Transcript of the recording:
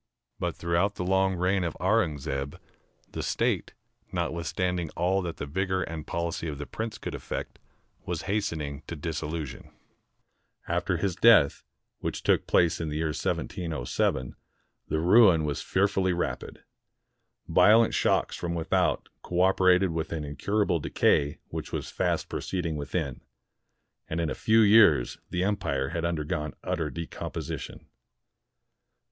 But throughout the long reign of Aurungzebe, the State, notwithstanding all that the vigor and policy of the prince could effect, was hastening to dissolution. After his death, which took place in the year 1707, the ruin was fearfully rapid. Violent shocks from without cooperated with an incur able decay which was fast proceeding within; and in a few years the empire had undergone utter decom position.